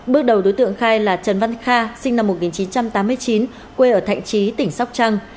bước đầu đối tượng khai là trần văn kha sinh năm một nghìn chín trăm tám mươi chín quê ở thạnh trí tỉnh sóc trăng